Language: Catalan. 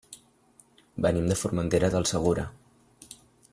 Venim de Formentera del Segura.